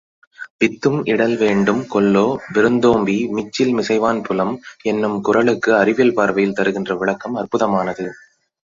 வித்தும் இடல்வேண்டும் கொல்லோ விருந்தோம்பி மிச்சில் மிசைவான் புலம் என்னும் குறளுக்கு அறிவியல் பார்வையில் தருகின்ற விளக்கம் அற்புதமானது.